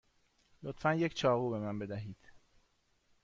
لطفا یک چاقو به من بدهید.